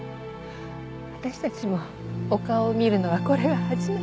私たちもお顔を見るのはこれが初めて。